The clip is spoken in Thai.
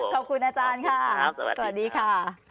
ขอบคุณอาจารย์ค่ะสวัสดีค่ะสวัสดีค่ะ